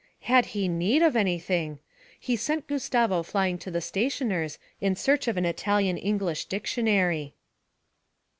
Had he need of anything! He sent Gustavo flying to the stationer's in search of an Italian English dictionary.